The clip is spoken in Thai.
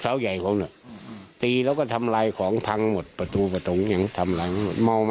เสาใหญ่แล้วที่ลูกเขาไยของหนึ่งสิบกว่าง่ายของพังปกตัว